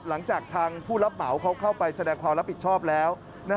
หลังจากทางผู้รับเหมาเขาเข้าไปแสดงความรับผิดชอบแล้ว